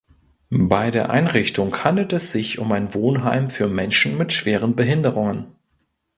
Bei der Einrichtung handelt es sich um ein Wohnheim für Menschen mit schweren Behinderungen.